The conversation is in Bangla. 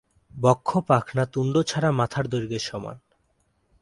বক্ষ পাখনা তুণ্ড ছাড়া মাথার দৈর্ঘ্যের সমান।